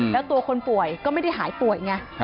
แล้วตัวคนป่วยก็ไม่ได้หายป่วยไง